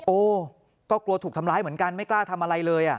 โอ้ก็กลัวถูกทำร้ายเหมือนกันไม่กล้าทำอะไรเลย